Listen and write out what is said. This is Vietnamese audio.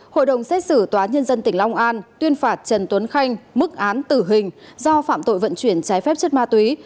hội đồng xét xử tòa nhân dân tỉnh long an tuyên phạt trần tuấn khanh mức án tử hình do phạm tội vận chuyển trái phép chất ma túy